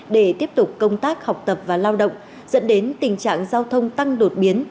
để tiếp tục công tác học tập và lao động dẫn đến tình trạng giao thông tăng đột biến